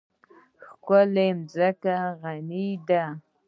ښکلې مځکه غني ده.